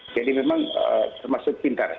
jadi memang termasuk pintar